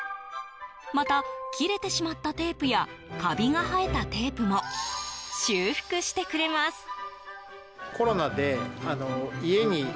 また、切れてしまったテープやカビが生えたテープも修復してくれます。